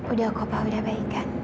udah pak udah baikkan